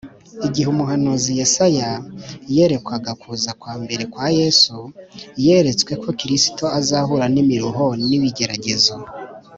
’ igihe umuhanuzi yesaya yerekwaga kuza kwa mbere kwa yesu, yeretswe ko kristo azahura n’imiruho n’ibigeragezo